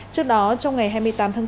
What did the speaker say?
trước đó trong ngày hai mươi tám tháng bốn